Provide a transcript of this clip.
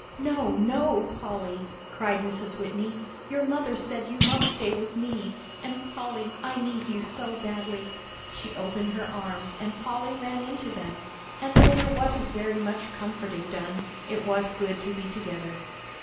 "No, no, Polly," cried Mrs. Whitney, "your mother said you must stay with me, and Polly, I need you so badly." She opened her arms and Polly ran into them, and though there wasn't very much comforting done, it was good to be together.